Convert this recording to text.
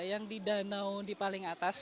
yang di danau di paling atas